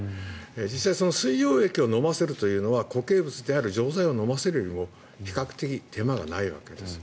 実際水溶液を飲ませるというのは固形物である錠剤を飲ませるよりも比較的、手間がないわけです。